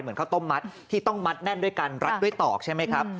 ข้าวต้มมัดที่ต้องมัดแน่นด้วยการรัดด้วยตอกใช่ไหมครับ